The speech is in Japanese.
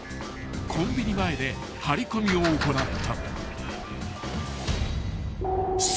コンビニ前で張り込みを行った］